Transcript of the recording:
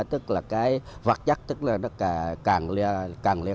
tức là cái vật chất tức là nó càng lia cao